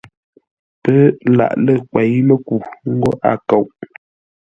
Pə́ laʼ lə́ kwěi-mə́ku ńgó a kóʼ.